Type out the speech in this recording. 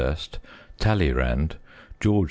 Talleyrand, George IV.